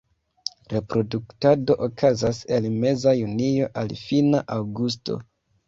Reproduktado okazas el meza junio al fina aŭgusto.